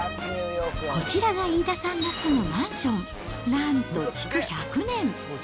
こちらが飯田さんの住むマンション、なんと築１００年。